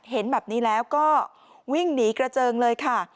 เห็นแบบนี้แล้วก็วิ่งหนีกระเจิงเลยค่ะ